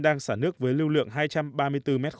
đang xả nước với lưu lượng hai trăm ba mươi bốn m hai